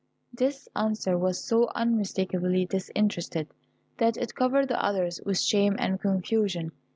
This answer was so unmistakeably disinterested, that it covered the others with shame and confusion.